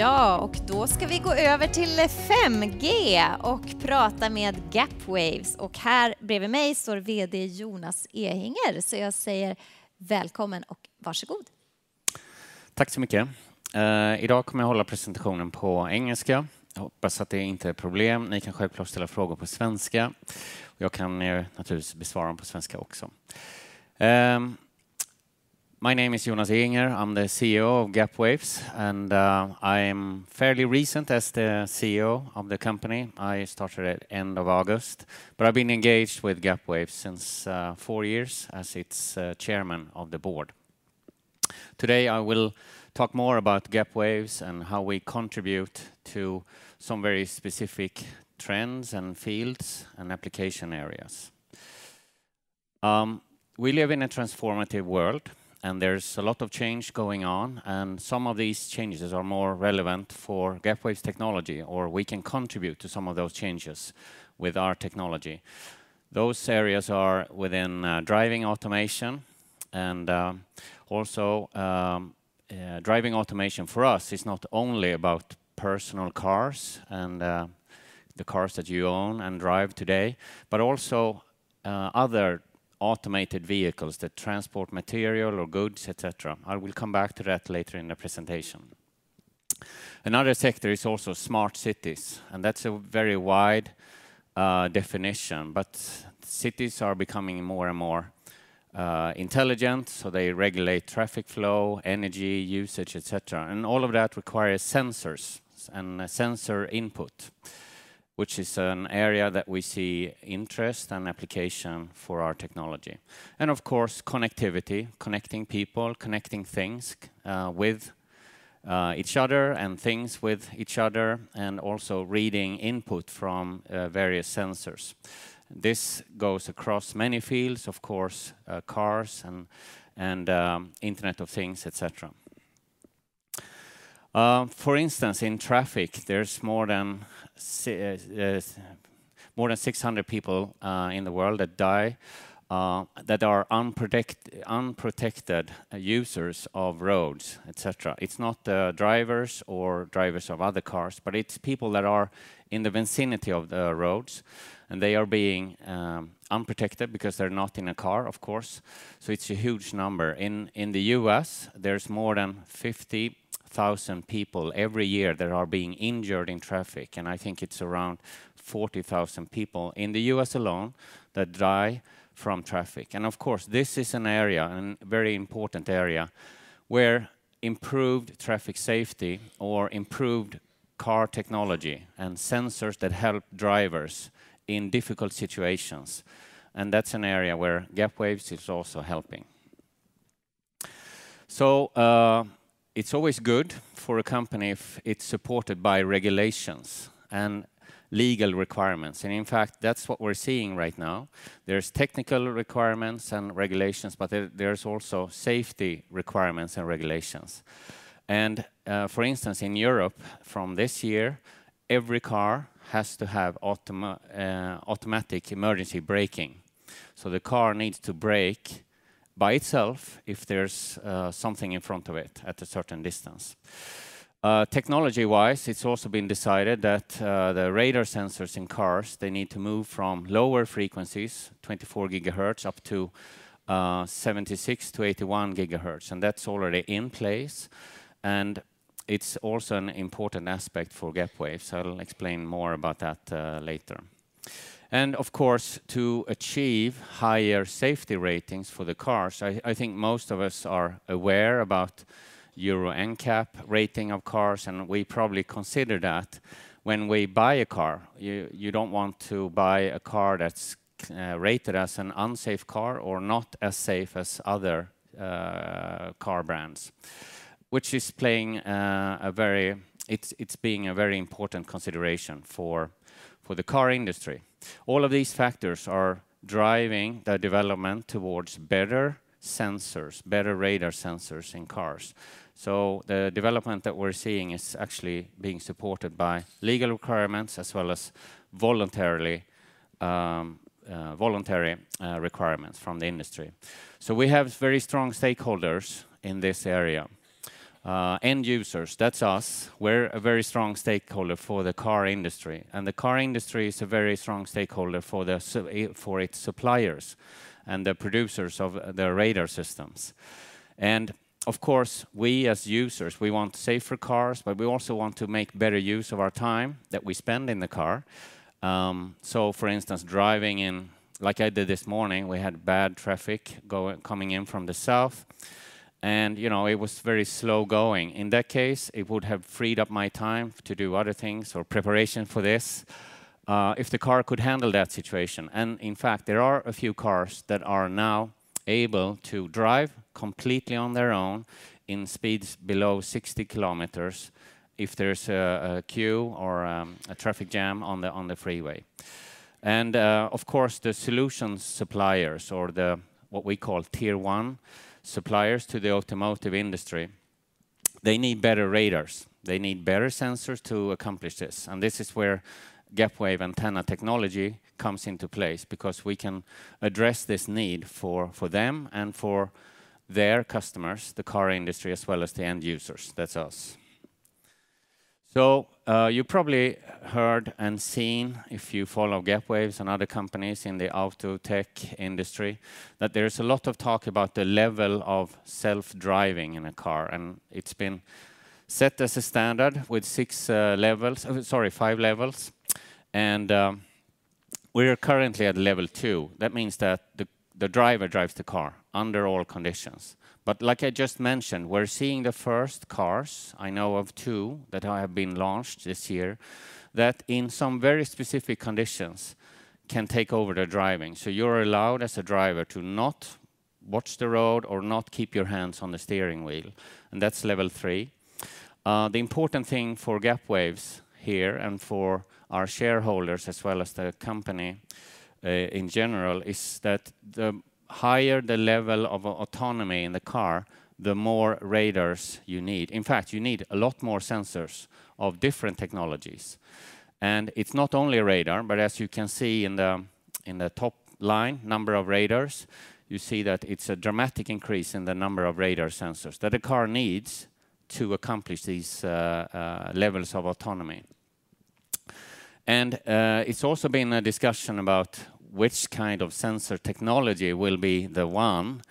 Ja, och då ska vi gå över till 5G och prata med Gapwaves. Här bredvid mig står VD Jonas Ehinger. Jag säger välkommen och varsågod. Tack så mycket. I dag kommer jag hålla presentationen på engelska. Jag hoppas att det inte är problem. Ni kan självklart ställa frågor på svenska. Jag kan naturligtvis besvara dem på svenska också. My name is Jonas Ehinger. I'm the CEO of Gapwaves and, I'm fairly recent as the CEO of the company. I started at end of August, but I've been engaged with Gapwaves since four years as its chairman of the board. Today I will talk more about Gapwaves and how we contribute to some very specific trends and fields and application areas. We live in a transformative world and there's a lot of change going on, and some of these changes are more relevant for Gapwaves technology, or we can contribute to some of those changes with our technology. Those areas are within driving automation and also driving automation for us is not only about personal cars and the cars that you own and drive today, but also other automated vehicles that transport material or goods et cetera. I will come back to that later in the presentation. Another sector is also smart cities, and that's a very wide definition, but cities are becoming more and more intelligent, so they regulate traffic flow, energy usage, et cetera. All of that requires sensors and sensor input, which is an area that we see interest and application for our technology. Of course, connectivity, connecting people, connecting things with each other and things with each other, and also reading input from various sensors. This goes across many fields, of course, cars and Internet of Things, et cetera. For instance, in traffic, there's more than 600 people in the world that die that are unprotected users of roads, et cetera. It's not the drivers or drivers of other cars, but it's people that are in the vicinity of the roads, and they are being unprotected because they're not in a car, of course. It's a huge number. In the U.S., there's more than 50,000 people every year that are being injured in traffic. I think it's around 40,000 people in the U.S. alone that die from traffic. Of course, this is an area, and very important area, where improved traffic safety or improved car technology and sensors that help drivers in difficult situations. That's an area where Gapwaves is also helping. It's always good for a company if it's supported by regulations and legal requirements. In fact, that's what we're seeing right now. There's technical requirements and regulations, but there's also safety requirements and regulations. For instance, in Europe, from this year, every car has to have automatic emergency braking. The car needs to brake by itself if there's something in front of it at a certain distance. Technology-wise, it's also been decided that the radar sensors in cars, they need to move from lower frequencies, 24 GHz, up to 76 GHz-81 GHz. That's already in place. It's also an important aspect for Gapwaves. I'll explain more about that later. Of course, to achieve higher safety ratings for the cars, I think most of us are aware about Euro NCAP rating of cars, and we probably consider that when we buy a car. You don't want to buy a car that's rated as an unsafe car or not as safe as other car brands, which is being a very important consideration for the car industry. All of these factors are driving the development towards better sensors, better radar sensors in cars. The development that we're seeing is actually being supported by legal requirements as well as voluntary requirements from the industry. We have very strong stakeholders in this area. End users, that's us, we're a very strong stakeholder for the car industry. The car industry is a very strong stakeholder for its suppliers and the producers of the radar systems. Of course, we as users, we want safer cars, but we also want to make better use of our time that we spend in the car. For instance, driving in, like I did this morning, we had bad traffic coming in from the south, and, you know, it was very slow going. In that case, it would have freed up my time to do other things or preparation for this, if the car could handle that situation. In fact, there are a few cars that are now able to drive completely on their own in speeds below 60 km if there's a queue or a traffic jam on the freeway. Of course, the solution suppliers or the, what we call Tier 1 suppliers to the automotive industry, they need better radars. They need better sensors to accomplish this, and this is where Gapwaves antenna technology comes into place because we can address this need for them and for their customers, the car industry, as well as the end users. That's us. You probably heard and seen, if you follow Gapwaves and other companies in the auto tech industry, that there is a lot of talk about the level of self-driving in a car, and it's been set as a standard with five levels, and we're currently at Level 2. That means that the driver drives the car under all conditions. Like I just mentioned, we're seeing the first cars, I know of two that have been launched this year, that in some very specific conditions can take over the driving. You're allowed as a driver to not watch the road or not keep your hands on the steering wheel, and that's Level 3. The important thing for Gapwaves here and for our shareholders as well as the company in general is that the higher the level of autonomy in the car, the more radars you need. In fact, you need a lot more sensors of different technologies. It's not only radar, but as you can see in the top line, number of radars, you see that it's a dramatic increase in the number of radar sensors that a car needs to accomplish these levels of autonomy. It's also been a discussion about which kind of sensor technology will be the one,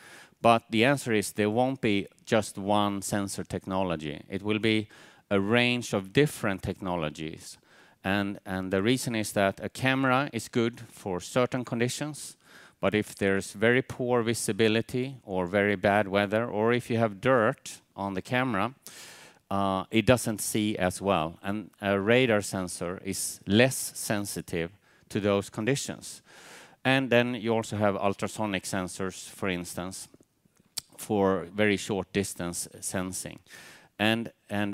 but the answer is there won't be just one sensor technology. It will be a range of different technologies. The reason is that a camera is good for certain conditions, but if there's very poor visibility or very bad weather or if you have dirt on the camera, it doesn't see as well. A radar sensor is less sensitive to those conditions. You also have ultrasonic sensors, for instance, for very short distance sensing.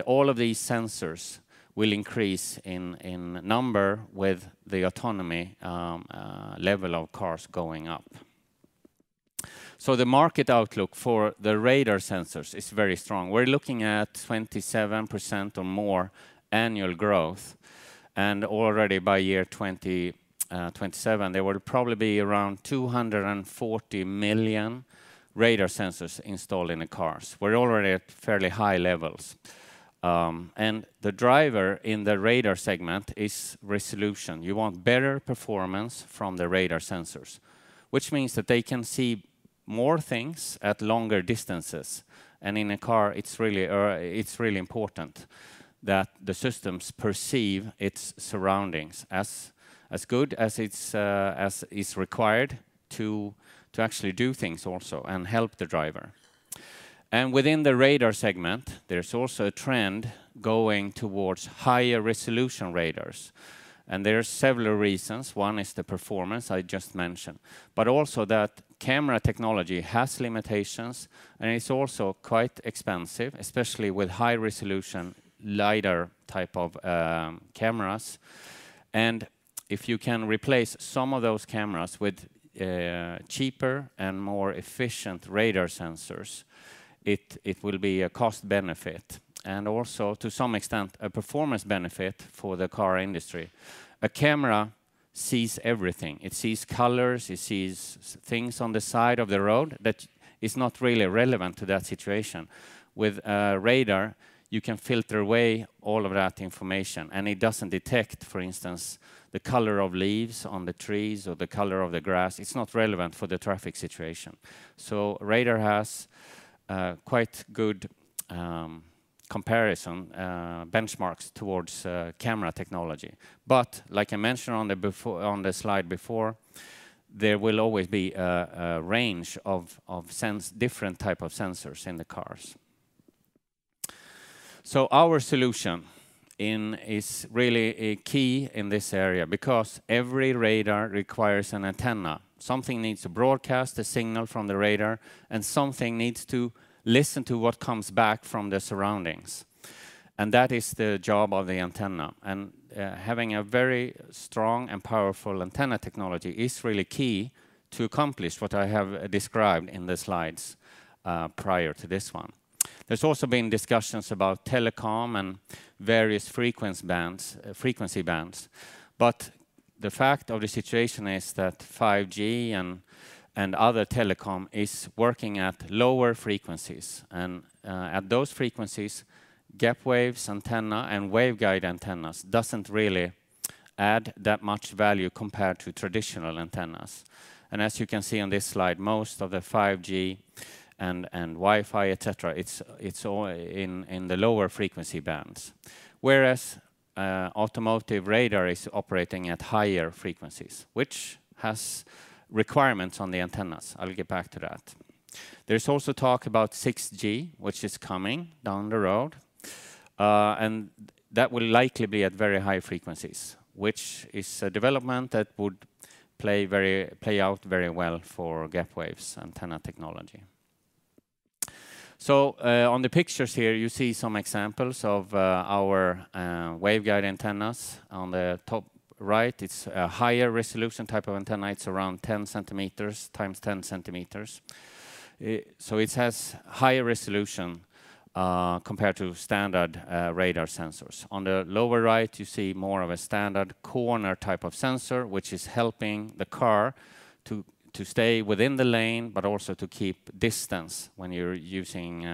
All of these sensors will increase in number with the autonomy level of cars going up. The market outlook for the radar sensors is very strong. We're looking at 27% or more annual growth, and already by year 2027, there will probably be around 240 million radar sensors installed in the cars. We're already at fairly high levels. The driver in the radar segment is resolution. You want better performance from the radar sensors, which means that they can see more things at longer distances. In a car, it's really important that the systems perceive its surroundings as good as is required to actually do things also and help the driver. Within the radar segment, there's also a trend going towards higher resolution radars, and there are several reasons. One is the performance I just mentioned, but also that camera technology has limitations, and it's also quite expensive, especially with high resolution LiDAR type of cameras. If you can replace some of those cameras with cheaper and more efficient radar sensors, it will be a cost benefit and also, to some extent, a performance benefit for the car industry. A camera sees everything. It sees colors, it sees things on the side of the road that is not really relevant to that situation. With radar, you can filter away all of that information, and it doesn't detect, for instance, the color of leaves on the trees or the color of the grass. It's not relevant for the traffic situation. Radar has quite good comparison benchmarks towards camera technology. Like I mentioned on the slide before, there will always be a range of different type of sensors in the cars. Our solution is really a key in this area because every radar requires an antenna. Something needs to broadcast the signal from the radar, and something needs to listen to what comes back from the surroundings, and that is the job of the antenna. Having a very strong and powerful antenna technology is really key to accomplish what I have described in the slides prior to this one. There's also been discussions about telecom and various frequency bands. The fact of the situation is that 5G and other telecom is working at lower frequencies, and at those frequencies, Gapwaves' antenna and waveguide antennas doesn't really add that much value compared to traditional antennas. As you can see on this slide, most of the 5G and Wi-Fi, et cetera, it's all in the lower frequency bands. Whereas, automotive radar is operating at higher frequencies, which has requirements on the antennas. I will get back to that. There's also talk about 6G, which is coming down the road, and that will likely be at very high frequencies, which is a development that would play out very well for Gapwaves' antenna technology. On the pictures here, you see some examples of our waveguide antennas. On the top right, it's a higher resolution type of antenna. It's around 10 cm times 10 cm. So it has higher resolution compared to standard radar sensors. On the lower right, you see more of a standard corner type of sensor, which is helping the car to stay within the lane, but also to keep distance when you're using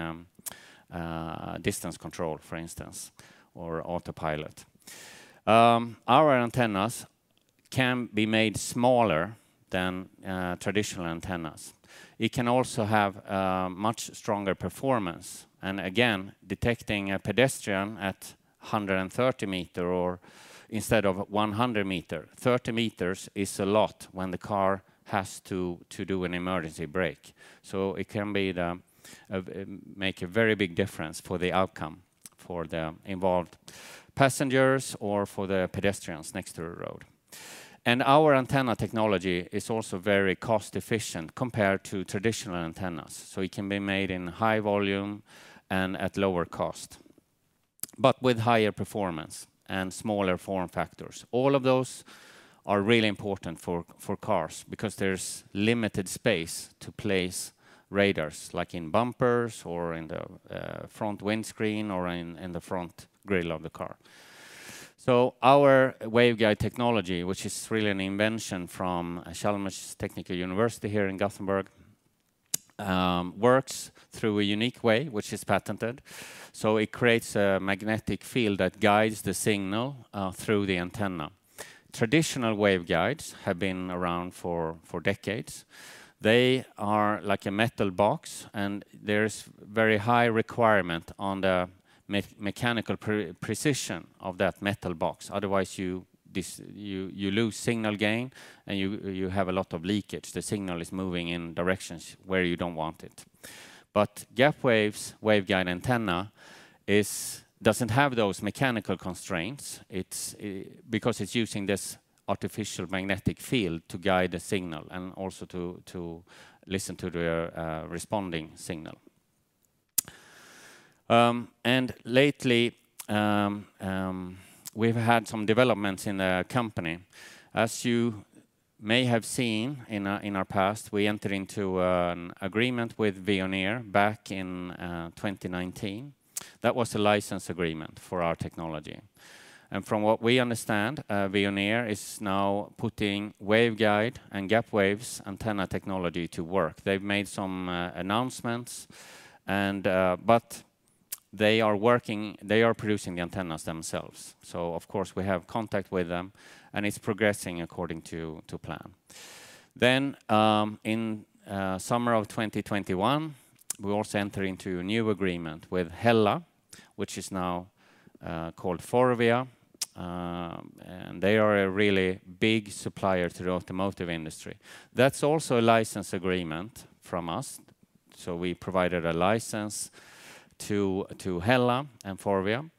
distance control, for instance, or autopilot. Our antennas can be made smaller than traditional antennas. It can also have much stronger performance, and again, detecting a pedestrian at 130 m or instead of 100 m. 30 m is a lot when the car has to do an emergency brake. It can make a very big difference for the outcome for the involved passengers or for the pedestrians next to the road. Our antenna technology is also very cost-efficient compared to traditional antennas, so it can be made in high volume and at lower cost, but with higher performance and smaller form factors. All of those are really important for cars because there's limited space to place radars, like in bumpers or in the front windshield or in the front grille of the car. Our waveguide technology, which is really an invention from Chalmers University of Technology here in Gothenburg, works through a unique way, which is patented. It creates a magnetic field that guides the signal through the antenna. Traditional waveguides have been around for decades. They are like a metal box, and there is very high requirement on the mechanical precision of that metal box. Otherwise, you lose signal gain, and you have a lot of leakage. The signal is moving in directions where you don't want it. Gapwaves' waveguide antenna doesn't have those mechanical constraints. It's because it's using this artificial magnetic field to guide the signal and also to listen to the responding signal. Lately, we've had some developments in the company. As you may have seen in our past, we entered into an agreement with Veoneer back in 2019. That was a license agreement for our technology. From what we understand, Veoneer is now putting waveguide and Gapwaves' antenna technology to work. They've made some announcements, but they are working, they are producing the antennas themselves. So of course, we have contact with them, and it's progressing according to plan. In summer of 2021, we also enter into a new agreement with HELLA, which is now called FORVIA, and they are a really big supplier to the automotive industry. That's also a license agreement from us, so we provided a license to HELLA and FORVIA.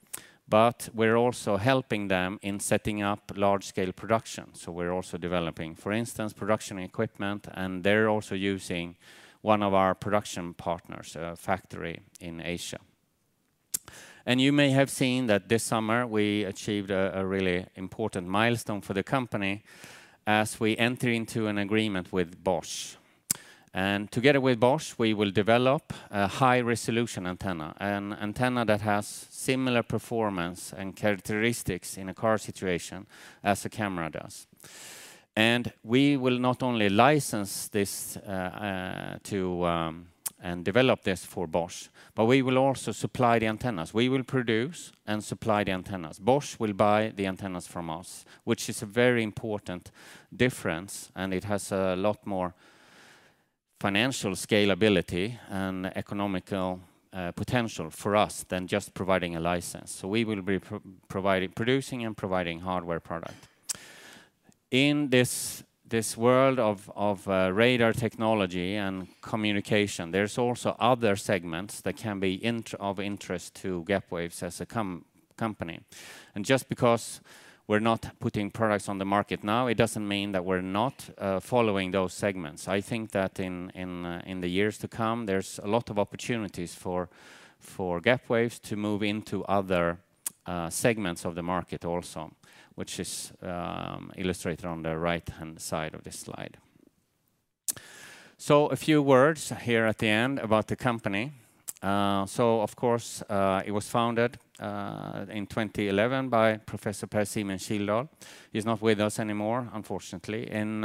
We're also helping them in setting up large-scale production, so we're also developing, for instance, production equipment, and they're also using one of our production partners, a factory in Asia. You may have seen that this summer, we achieved a really important milestone for the company as we enter into an agreement with Bosch. Together with Bosch, we will develop a high-resolution antenna, an antenna that has similar performance and characteristics in a car situation as a camera does. We will not only license this and develop this for Bosch, but we will also supply the antennas. We will produce and supply the antennas. Bosch will buy the antennas from us, which is a very important difference, and it has a lot more financial scalability and economical potential for us than just providing a license. We will be providing, producing and providing hardware product. In this world of radar technology and communication, there's also other segments that can be of interest to Gapwaves as a company. Just because we're not putting products on the market now, it doesn't mean that we're not following those segments. I think that in the years to come, there's a lot of opportunities for Gapwaves to move into other segments of the market also, which is illustrated on the right-hand side of this slide. A few words here at the end about the company. Of course, it was founded in 2011 by Professor Per-Simon Kildal. He's not with us anymore, unfortunately. In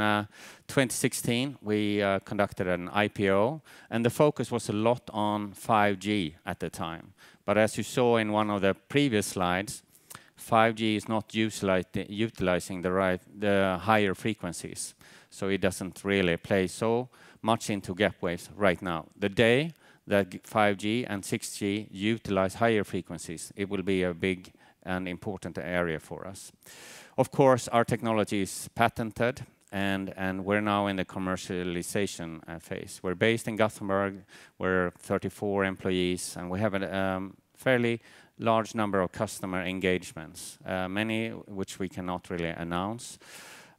2016, we conducted an IPO, and the focus was a lot on 5G at the time. As you saw in one of the previous slides, 5G is not utilizing the right, the higher frequencies, so it doesn't really play so much into Gapwaves right now. The day that 5G and 6G utilize higher frequencies, it will be a big and important area for us. Of course, our technology is patented, and we're now in the commercialization phase. We're based in Gothenburg. We're 34 employees, and we have a fairly large number of customer engagements, many which we cannot really announce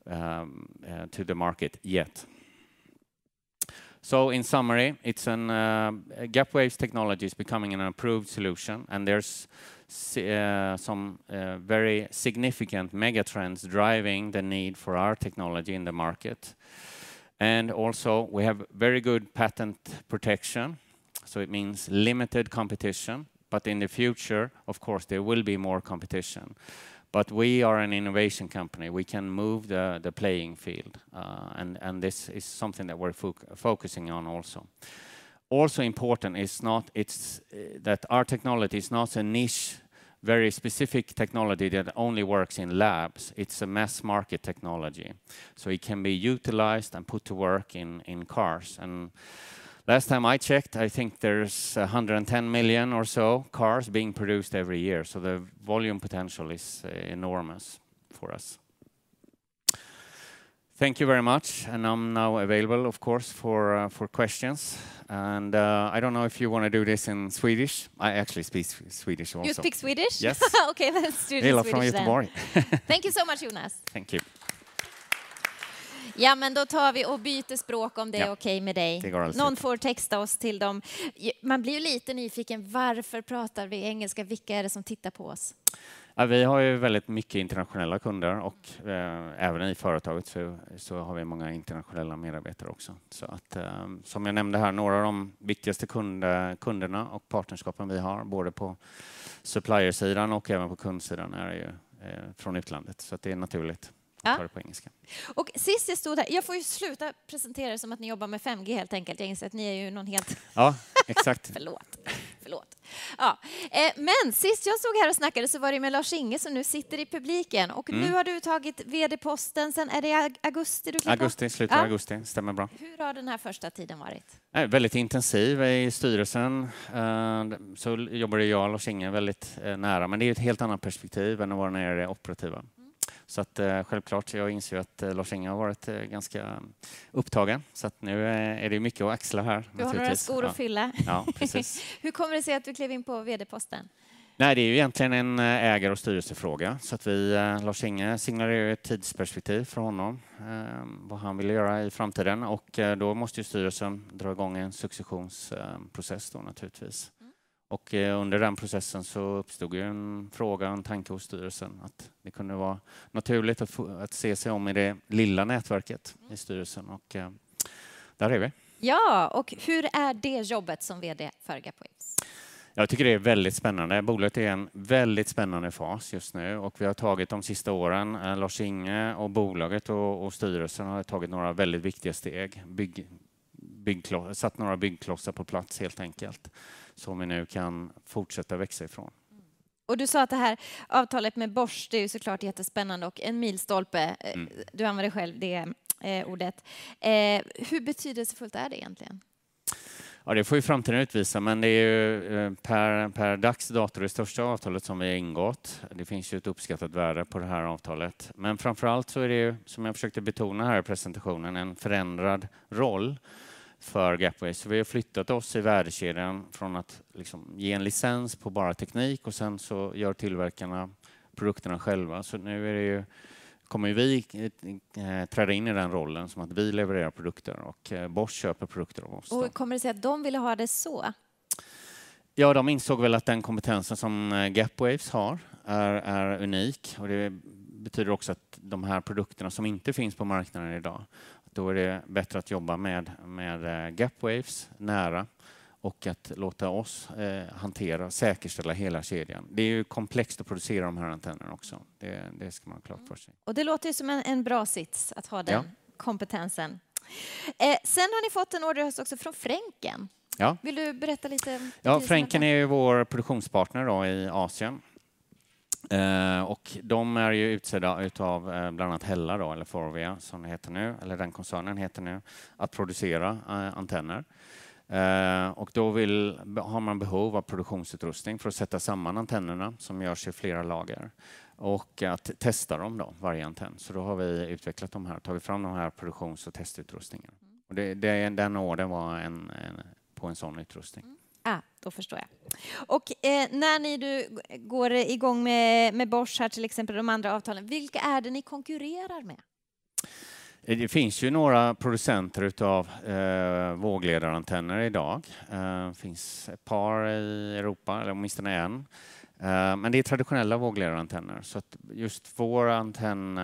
to the market yet. In summary, it's Gapwaves technology is becoming an approved solution and there's some very significant megatrends driving the need for our technology in the market. Also we have very good patent protection, so it means limited competition. In the future, of course, there will be more competition. We are an innovation company. We can move the playing field, and this is something that we're focusing on also. Also important is that our technology is not a niche, very specific technology that only works in labs. It's a mass-market technology, so it can be utilized and put to work in cars. Last time I checked, I think there's 110 million or so cars being produced every year. The volume potential is enormous for us. Thank you very much. I'm now available, of course, for questions. I don't know if you want to do this in Swedish. I actually speak Swedish also. You speak Swedish? Yes. Okay, let's do Swedish then. Thank you so much, Jonas. Thank you. Ja men då tar vi och byter språk om det är okej med dig. Det går alldeles utmärkt. Någon får texta oss till dem. Man blir ju lite nyfiken, varför pratar vi engelska? Vilka är det som tittar på oss? Ja vi har ju väldigt mycket internationella kunder och, även i företaget så, har vi många internationella medarbetare också. Som jag nämnde här, några av de viktigaste kunderna och partnerskapen vi har, både på supplier sidan och även på kundsidan, är ju från utlandet. Det är naturligt att köra på engelska. Sist jag stod här, jag får ju sluta presentera det som att ni jobbar med 5G helt enkelt. Jag inser att ni är ju någon helt. Ja, exakt. Förlåt. Ja, men sist jag stod här och snackade så var det med Lars-Inge Sjöqvist som nu sitter i publiken och nu har du tagit vd-posten. Sen är det i augusti du klev upp? Augusti, slutet av augusti. Stämmer bra. Hur har den här första tiden varit? Väldigt intensiv. I styrelsen, så jobbar ju jag och Lars-Inge Sjöqvist väldigt nära, men det är ju ett helt annat perspektiv än att vara nere i det operativa. Självklart, jag inser ju att Lars-Inge Sjöqvist har varit ganska upptagen. Nu är det ju mycket att axla här. Du har några skor att fylla. Ja, precis. Hur kommer det sig att du klev in på VD-posten? Nej, det är ju egentligen en ägar- och styrelsefråga. Så att vi, Lars-Inge Sjöqvist signalerade ett tidsperspektiv för honom, vad han ville göra i framtiden. Och då måste ju styrelsen dra i gång en successionsprocess då naturligtvis. Och under den processen så uppstod ju en fråga, en tanke hos styrelsen att det kunde vara naturligt att se sig om i det lilla nätverket i styrelsen. Och där är vi. Ja, och hur är det jobbet som VD för Gapwaves? Jag tycker det är väldigt spännande. Bolaget är i en väldigt spännande fas just nu och vi har tagit de sista åren, Lars-Inge Sjöqvist och bolaget och styrelsen har tagit några väldigt viktiga steg. Satt några byggklossar på plats helt enkelt, som vi nu kan fortsätta växa ifrån. Du sa att det här avtalet med Bosch, det är så klart jättespännande och en milstolpe. Du använde själv det ordet. Hur betydelsefullt är det egentligen? Ja, det får ju framtiden utvisa, men det är ju per dags dato det största avtalet som vi har ingått. Det finns ju ett uppskattat värde på det här avtalet. Framför allt så är det ju, som jag försökte betona här i presentationen, en förändrad roll för Gapwaves. Vi har flyttat oss i värdekedjan från att liksom ge en licens på bara teknik och sen så gör tillverkarna produkterna själva. Nu kommer ju vi träda in i den rollen som att vi levererar produkter och Bosch köper produkter av oss. Hur kommer det sig att de ville ha det så? Ja, de insåg väl att den kompetensen som Gapwaves har är unik och det betyder också att de här produkterna som inte finns på marknaden i dag, då är det bättre att jobba med Gapwaves nära och att låta oss hantera och säkerställa hela kedjan. Det är ju komplext att producera de här antennerna också. Det ska man ha klart för sig. Det låter ju som en bra sits att ha den kompetensen. Har ni fått en order just också från Frencken. Ja. Vill du berätta lite? Frencken är ju vår produktionspartner då i Asien. De är ju utsedda av bland annat HELLA eller Forvia som det heter nu eller den koncernen heter nu, att producera antenner. Har man behov av produktionsutrustning för att sätta samman antennerna som görs i flera lager och att testa dem då, varje antenn. Har vi utvecklat de här, tagit fram de här produktions- och testutrustningen. Den ordern var på en sådan utrustning. Ja, då förstår jag. När ni nu går igång med Bosch här till exempel och de andra avtalen, vilka är det ni konkurrerar med? Det finns ju några producenter av vågledarantenner i dag. Finns ett par i Europa eller åtminstone en, men det är traditionella vågledarantenner. Att just vår antenn,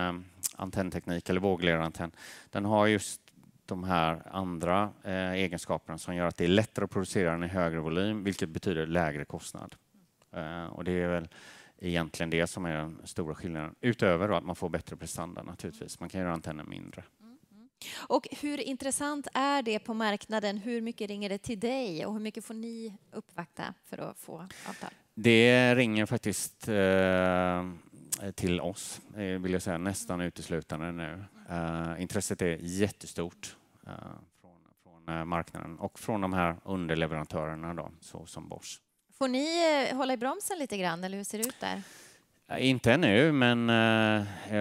antennteknik eller vågledarantenn, den har just de här andra egenskaperna som gör att det är lättare att producera den i högre volym, vilket betyder lägre kostnad. Det är väl egentligen det som är den stora skillnaden. Utöver att man får bättre prestanda naturligtvis. Man kan göra antennen mindre. Hur intressant är det på marknaden? Hur mycket ringer det till dig och hur mycket får ni vänta för att få avtal? Det ringer faktiskt till oss vill jag säga, nästan uteslutande nu. Intresset är jättestort från marknaden och från de här underleverantörerna då, så som Bosch. Får ni hålla i bromsen lite grann eller hur ser det ut där? Inte nu, men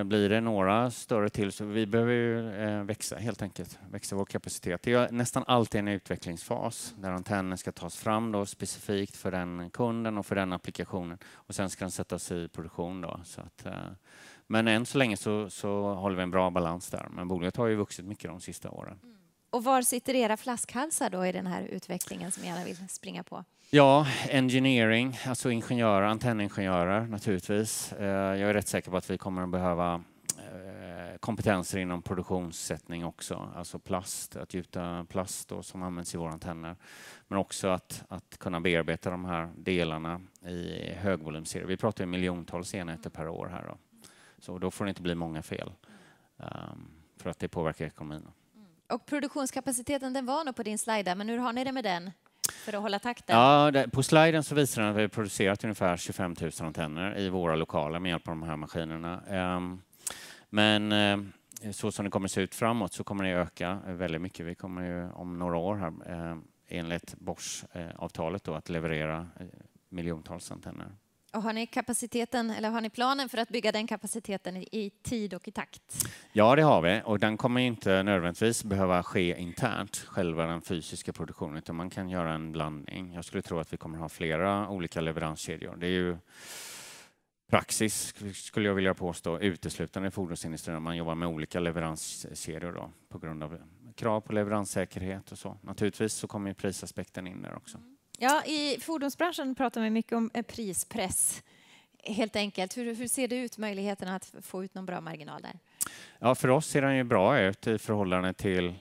blir det några större till så vi behöver ju växa helt enkelt, växa vår kapacitet. Det är nästan alltid en utvecklingsfas där antennen ska tas fram då specifikt för den kunden och för den applikationen. Och sen ska den sättas i produktion då. Så att, men än så länge så håller vi en bra balans där. Men bolaget har ju vuxit mycket de sista åren. Var sitter era flaskhalsar då i den här utvecklingen som jag gärna vill springa på? Ja, engineering, alltså ingenjörer, antenningenjörer naturligtvis. Jag är rätt säker på att vi kommer att behöva kompetenser inom produktionssättning också, alltså plast, att gjuta plast då som används i våra antenner. Men också att kunna bearbeta de här delarna i högvolymserie. Vi pratar ju miljontals enheter per år här då. Så då får det inte bli många fel för att det påverkar ekonomin. Produktionskapaciteten, den var nog på din slide där, men hur har ni det med den för att hålla takten? Ja, på sliden så visar den att vi producerat ungefär 25,000 antenner i våra lokaler med hjälp av de här maskinerna. Men så som det kommer att se ut framåt så kommer det att öka väldigt mycket. Vi kommer ju om några år här enligt Boschavtalet då att leverera miljontals antenner. Har ni kapaciteten eller har ni planen för att bygga den kapaciteten i tid och i takt? Ja, det har vi och den kommer inte nödvändigtvis behöva ske internt, själva den fysiska produktionen, utan man kan göra en blandning. Jag skulle tro att vi kommer att ha flera olika leveranskedjor. Det är ju praxis, skulle jag vilja påstå, uteslutande i fordonsindustrin att man jobbar med olika leveranskedjor då på grund av krav på leveranssäkerhet och så. Naturligtvis så kommer prisaspekten in där också. Ja, i fordonsbranschen pratar vi mycket om prispress, helt enkelt. Hur ser det ut möjligheterna att få ut någon bra marginal där? Ja, för oss ser den ju bra ut i förhållande till, om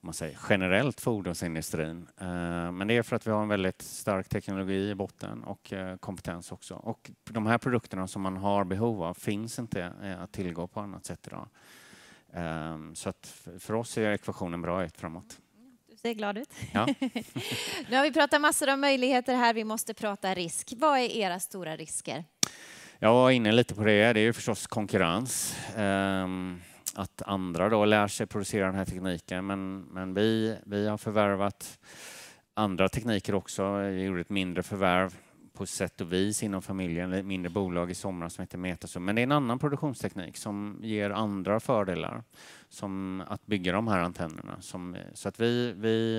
man säger, generellt fordonsindustrin. Men det är för att vi har en väldigt stark teknologi i botten och kompetens också. Och de här produkterna som man har behov av finns inte att tillgå på annat sätt i dag. Så att för oss är ekvationen bra ut framåt. Du ser glad ut. Ja. Nu har vi pratat massor om möjligheter här. Vi måste prata risk. Vad är era stora risker? Jag var inne lite på det. Det är ju förstås konkurrens. Att andra då lär sig producera den här tekniken. Men vi har förvärvat andra tekniker också. Vi gjorde ett mindre förvärv på sätt och vis inom familjen, ett mindre bolag i somras som heter Sensrad. Men det är en annan produktionsteknik som ger andra fördelar, som att bygga de här antennerna. Så att vi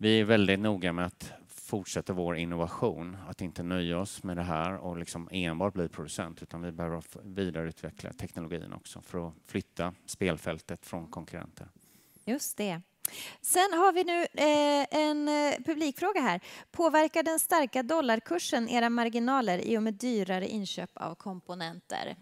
är väldigt noga med att fortsätta vår innovation, att inte nöja oss med det här och liksom enbart bli producent, utan vi behöver vidareutveckla teknologin också för att flytta spelfältet från konkurrenter. Just det. Har vi nu en publikfråga här. Påverkar den starka dollarkursen era marginaler i och med dyrare inköp av komponenter?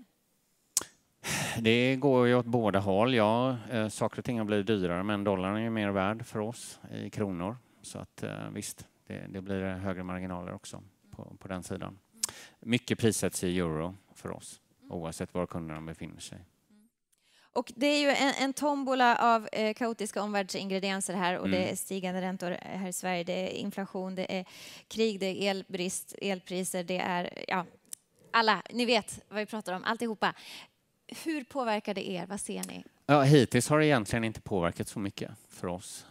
Det går ju åt båda håll. Ja, saker och ting har blivit dyrare, men dollarn är ju mer värd för oss i kronor. Så att visst, det blir högre marginaler också på den sidan. Mycket prissätts i euro för oss, oavsett var kunderna befinner sig. Det är ju en tombola av kaotiska omvärldsingredienser här och det är stigande räntor här i Sverige, det är inflation, det är krig, det är elbrist, elpriser, det är ja, alla, ni vet vad vi pratar om, alltihop. Hur påverkar det er? Vad ser ni? Ja, hittills har det egentligen inte påverkat så mycket för oss.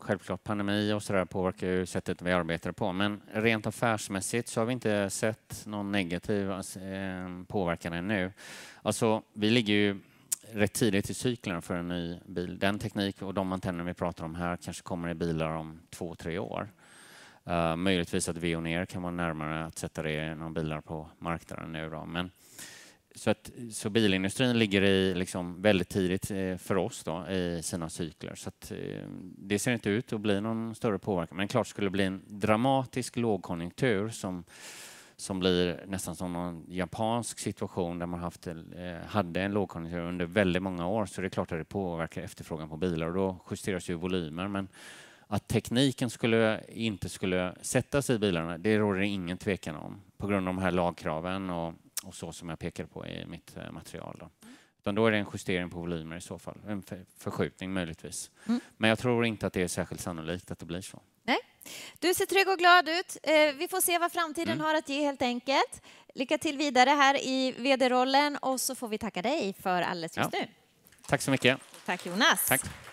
Självklart pandemi och sådär påverkar ju sättet vi arbetar på. Rent affärsmässigt så har vi inte sett någon negativ påverkan ännu. Alltså, vi ligger ju rätt tidigt i cykeln för en ny bil. Den teknik och de antenner vi pratar om här kanske kommer i bilar om två, tre år. Möjligtvis att Veoneer kan vara närmare att sätta det i några bilar på marknaden nu då. Så att bilindustrin ligger i liksom väldigt tidigt för oss då i sina cykler. Att det ser inte ut att bli någon större påverkan. Klart, skulle det bli en dramatisk lågkonjunktur som blir nästan som någon japansk situation där man hade en lågkonjunktur under väldigt många år. Det är klart att det påverkar efterfrågan på bilar och då justeras ju volymer. Att tekniken inte skulle sättas i bilarna, det råder ingen tvekan om på grund av de här lagkraven och så som jag pekade på i mitt material. Då är det en justering på volymer i så fall, en förskjutning möjligtvis. Jag tror inte att det är särskilt sannolikt att det blir så. Nej, du ser trygg och glad ut. Vi får se vad framtiden har att ge helt enkelt. Lycka till vidare här i VD-rollen och så får vi tacka dig för alldeles just nu. Tack så mycket. Tack, Jonas. Tack